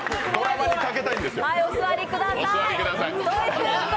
お座りください！